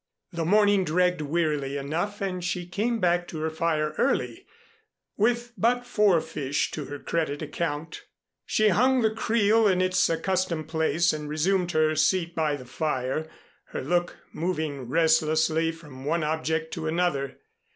The morning dragged wearily enough and she came back to her fire early, with but four fish to her credit account. She hung the creel in its accustomed place and resumed her seat by the fire, her look moving restlessly from one object to another.